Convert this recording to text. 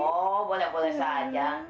oh boleh boleh saja